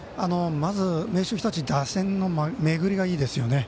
まず、明秀日立打線の巡りがいいですよね。